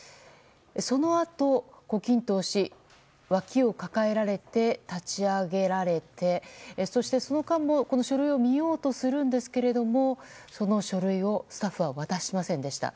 そのあと、胡錦涛氏わきを抱えられて立ち上げられてそして、その間も書類を見ようとするんですがその書類をスタッフは渡しませんでした。